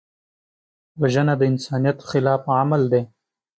وژنه د انسانیت خلاف عمل دی